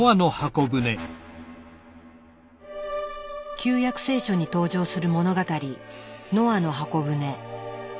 「旧約聖書」に登場する物語「ノアの方舟」。